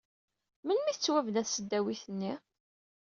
Melmi i tettwabna tesdawit-nni?